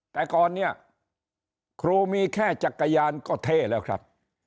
แต่ก่อนเนี่ยครูมีแค่จักรยานก็เท่แล้วครับ